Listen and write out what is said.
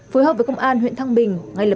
phối hợp với công an huyện thăng bình